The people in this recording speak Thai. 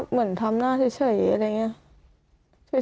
เหมือนทำหน้าเฉยอะไรอย่างนี้